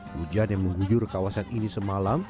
hujan yang mengguyur kawasan ini semalam